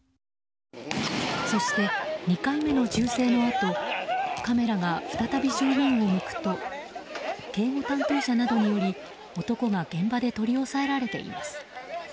そして２回目の銃声の後カメラが再び正面を向くと警備担当者などにより男が現場で取り押さえられています。